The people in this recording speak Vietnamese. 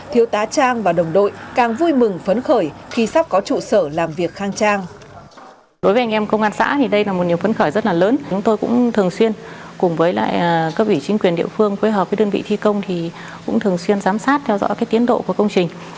thiếu tá trang và đồng đội càng vui mừng phấn khởi khi sắp có trụ sở làm việc khang trang